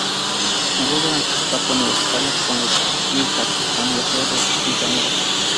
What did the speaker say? Jugó durante su etapa universitaria con los "Wildcats" de la Universidad de Villanova.